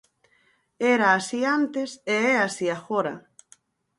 Era así antes e é así agora.